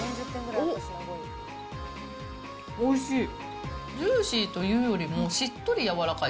おいしい！